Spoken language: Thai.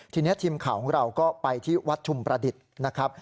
ทีนี้ทีมข่าวของเราก็ไปที่วัดชุมประดิษฐ์นะครับ